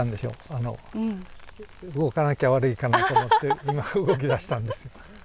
あの動かなきゃ悪いかなと思って今動きだしたんです。